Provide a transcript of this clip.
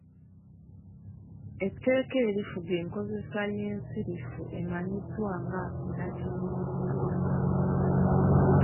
Etteeka erifuga enkozesa y’ensirifu emanyiddwa nga “nnakinnyindwa”.